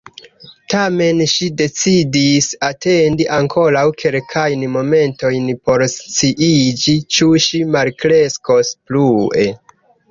Tamen ŝi decidis atendi ankoraŭ kelkajn momentojn por sciiĝi ĉu ŝi malkreskos plue.